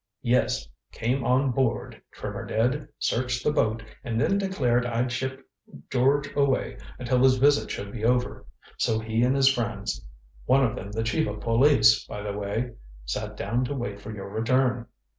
"Yes. Came on board, Trimmer did, searched the boat, and then declared I'd shipped George away until his visit should be over. So he and his friends one of them the chief of police, by the way sat down to wait for your return.